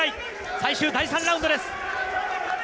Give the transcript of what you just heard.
最終第３ラウンドです。